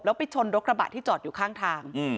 แล้วไปชนรถกระบะที่จอดอยู่ข้างทาง